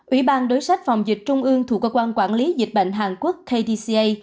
ủy ban đối sách phòng dịch trung ương thủ cơ quan quản lý dịch bệnh hàn quốc ktca